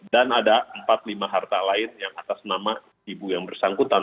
dan ada empat lima harta lain yang atas nama ibu yang bersangkutan